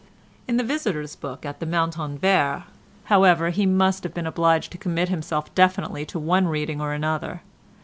In the visitors' book at the Montanvert, however, he must have been obliged to commit himself definitely to one reading or another.